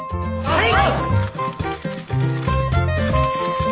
はい！